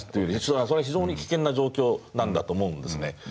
それは非常に危険な状況なんだと思うんですね。